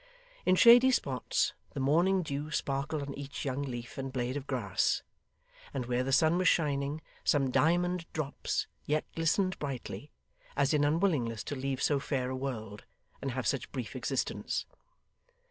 In shady spots, the morning dew sparkled on each young leaf and blade of grass; and where the sun was shining, some diamond drops yet glistened brightly, as in unwillingness to leave so fair a world, and have such brief existence.